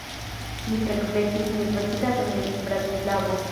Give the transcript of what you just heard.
Li frekventis universitaton en Bratislavo.